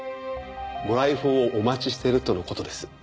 ご来訪をお待ちしているとの事です。